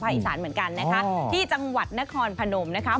อีสานเหมือนกันนะคะที่จังหวัดนครพนมนะคะ